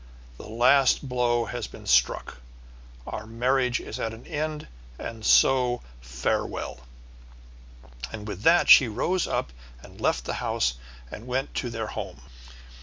The last blow has been struck; our marriage is at an end, and so farewell." And with that she rose up and left the house and went to their home.